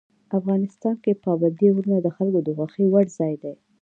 افغانستان کې پابندي غرونه د خلکو د خوښې وړ ځای دی.